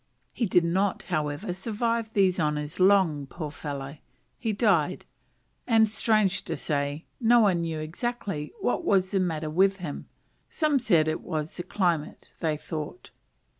He did not, however, survive these honours long, poor fellow. He died; and, strange to say, no one knew exactly what was the matter with him: some said it was the climate, they thought.